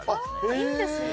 いいですね。